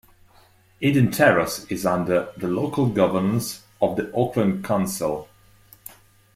Eden Terrace is under the local governance of the Auckland Council.